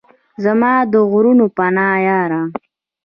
زما د غرونو پناه یاره!